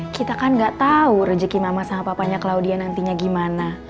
kita kan gak tahu rezeki mama sama papanya claudia nantinya gimana